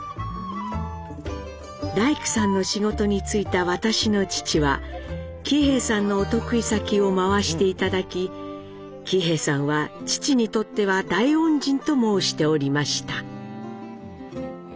「大工さんの仕事についた私の父は喜兵衛さんのお得意先をまわして頂き喜兵衛さんは父にとっては大恩人と申しておりました」。